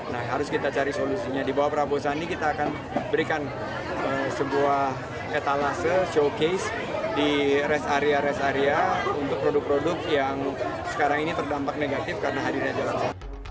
nah harus kita cari solusinya di bawah prabowo sandi kita akan berikan sebuah etalase showcase di rest area rest area untuk produk produk yang sekarang ini terdampak negatif karena hadirnya jalan tol